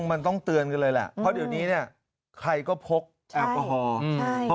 มันต้องเตือนกันเลยแหละเพราะเดี๋ยวนี้เนี่ยใครก็พกแอลกอฮอล์